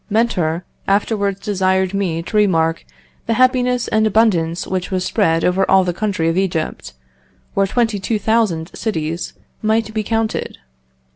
Mentor afterwards desired me to remark the happiness and abundance which was spread over all the country of Egypt, where twenty two thousand cities might be counted.